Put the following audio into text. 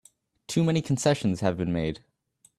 Too many concessions have been made!